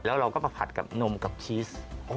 แล้วเราก็มาผัดกับนมกับชีส